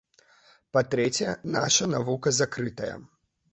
Па-трэцяе, наша навука закрытая.